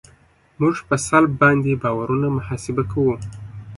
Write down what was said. موږ په سلب باندې بارونه محاسبه کوو